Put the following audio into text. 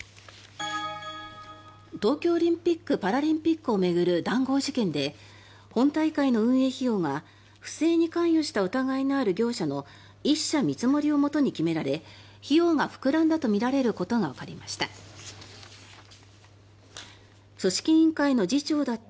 東京オリンピック・パラリンピックを巡る談合事件で本大会の運営費用が不正に関与した疑いのある業者の１社見積もりをもとに決められ費用が膨らんだとみられることがわかりました。